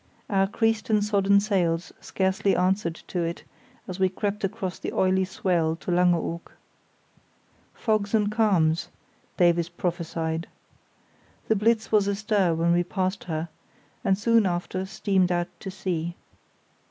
Our creased and sodden sails scarcely answered to it as we crept across the oily swell to Langeoog. "Fogs and calms," Davies prophesied. The Blitz was astir when we passed her, and soon after steamed out to sea.